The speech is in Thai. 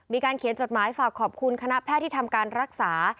มีการเขียนจดหมายฝากขอบคุณคณะแพทย์ที่ทำการรักษา